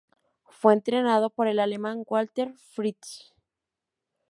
Fue entrenado por el alemán Walter Fritsch.